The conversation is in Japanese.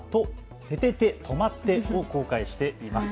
とまって！を公開しています。